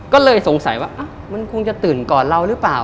ก็เลยสงสัยว่ามันคงจะตื่นก่อนเราหรือเปล่า